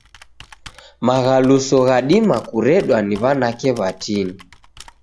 Maghaluso ghadima kuredwa ni w'anake w'atini.